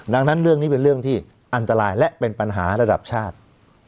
ดังนั้นเรื่องนี้เป็นเรื่องที่อันตรายและเป็นปัญหาระดับชาติ